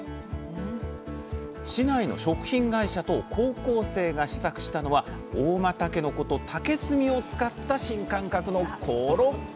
市内の食品会社と高校生が試作したのは合馬たけのこと竹炭を使った新感覚のコロッケ！